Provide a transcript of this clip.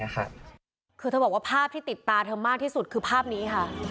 คือเธอบอกว่าภาพที่ติดตาเธอมากที่สุดคือภาพนี้ค่ะ